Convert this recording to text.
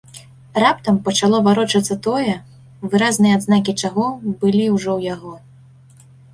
Раптам пачало варочацца тое, выразныя адзнакі чаго былі ўжо ў яго.